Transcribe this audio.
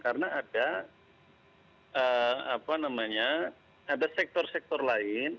karena ada apa namanya ada sektor sektor lain